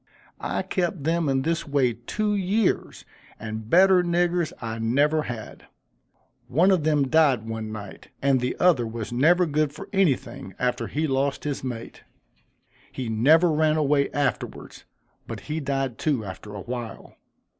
I kept them in this way two years, and better niggers I never had. One of them died one night, and the other was never good for anything after he lost his mate. He never ran away afterwards, but he died too, after a while."